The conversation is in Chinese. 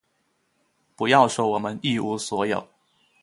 不要说我们一无所有，